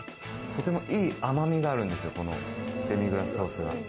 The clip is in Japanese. とてもいい甘みがあるんですよ、デミグラスソースが。